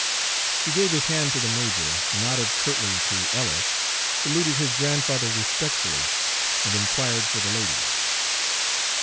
He gave his hand to the major, nodded curtly to Ellis, saluted his grandfather respectfully, and inquired for the ladies.